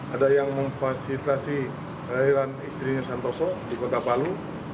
ada yang memfasilitasi kelahiran istrinya santoso di kota palu